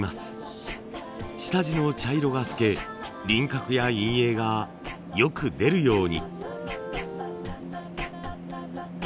下地の茶色が透け輪郭や陰影がよく出るように。